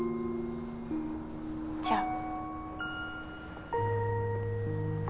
じゃあ。